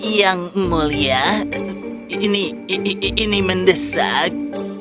yang mulia ini mendesak